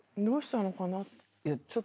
「どうしたのかな？」